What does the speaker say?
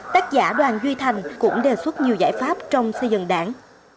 tác giả đoàn duy thành cũng đề xuất nhiều giải pháp trong xây dựng đảng